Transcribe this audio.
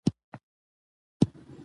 مېلې د ټولني د خوښۍ ننداره ده.